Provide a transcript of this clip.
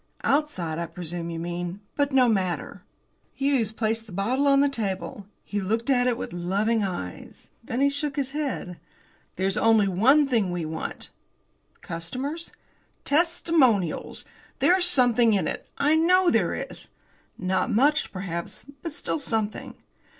"Outside, I presume, you mean. But no matter." Hughes placed the bottle on the table. He looked at it with loving eyes. Then he shook his head. "There's only one thing we want." "Customers?" "Testimonials! There's something in it. I know there is." "Not much, perhaps, but still something."